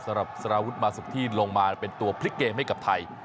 สำหรับสารวุฒิมาสุกที่ลงมาเป็นตัวพลิกเกมให้กับไทย